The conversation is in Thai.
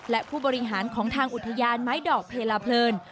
และผู้บริหารของทางอุทยานไม้ดอกเพลาเพลิน